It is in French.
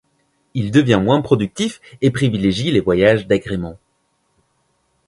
Il devient moins productif, et privilégie les voyages d'agrément.